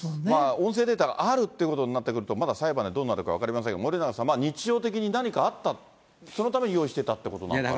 音声データがあるということになってくると、まだ裁判でどうなるか分かりませんが、森永さん、日常的に何かあった、そのために用意してたということなのか。